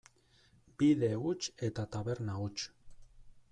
Bide huts eta taberna huts.